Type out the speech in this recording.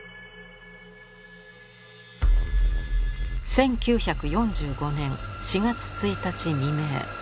１９４５年４月１日未明。